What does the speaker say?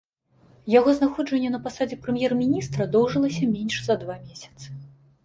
Яго знаходжанне на пасадзе прэм'ер-міністра доўжылася менш за два месяцы.